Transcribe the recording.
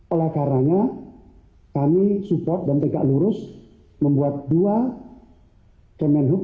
oleh karena kami support dan tegak lurus membuat dua kemenhub